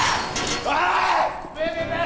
おい！